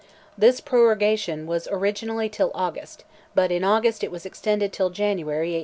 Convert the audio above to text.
This prorogation was originally till August, but in August it was extended till January, 1800.